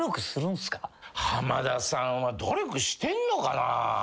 浜田さんは努力してんのかな？